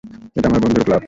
এটা আমার বন্ধুর ক্লাব।